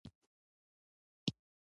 د سیند پر شنه ټټر مزلونه کوي